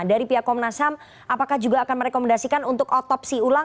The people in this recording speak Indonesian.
dari pihak komnas ham apakah juga akan merekomendasikan untuk otopsi ulang